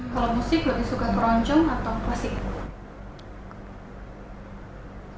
kalau musik lebih suka keroncong atau klasik